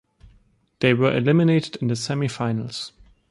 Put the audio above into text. They were eliminated in the semifinals.